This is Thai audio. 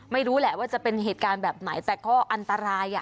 ไม่รู้แหละว่าจะเป็นเหตุการณ์แบบไหนแต่ก็อันตราย